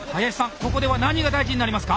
ここでは何が大事になりますか？